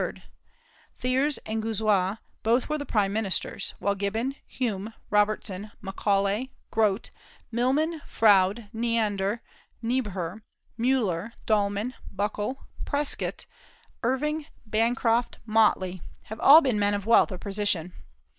Thiers and Guizot both were prime ministers; while Gibbon, Hume, Robertson, Macaulay, Grote, Milman, Froude, Neander, Niebuhr, Müller, Dahlman, Buckle, Prescott, Irving, Bancroft, Motley, have all been men of wealth or position.